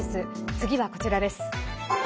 次はこちらです。